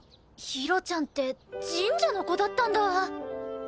ひろちゃんって神社の子だったんだ！